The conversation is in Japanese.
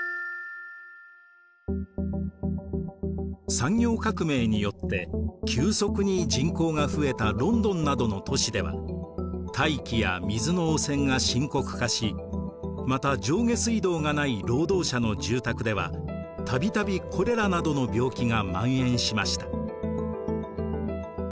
産業革命によって急速に人口が増えたロンドンなどの都市では大気や水の汚染が深刻化しまた上下水道がない労働者の住宅ではたびたびコレラなどの病気がまん延しました。